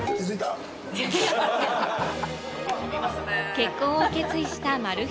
結婚を決意したマル秘